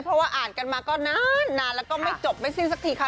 เพราะว่าอ่านกันมาก็นานแล้วก็ไม่จบไม่สิ้นสักทีค่ะ